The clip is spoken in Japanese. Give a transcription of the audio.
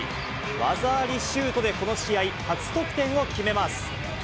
技ありシュートで、この試合初得点を決めます。